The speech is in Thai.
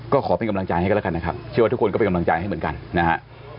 ก็ขอเป็นกำลังใจให้กันแล้วกันนะครับเชื่อว่าทุกคนก็เป็นกำลังใจให้เหมือนกันนะฮะ